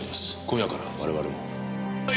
今夜からは我々も。